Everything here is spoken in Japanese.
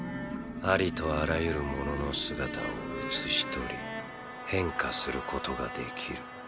ありとあらゆるものの姿を写しとり変化することができる。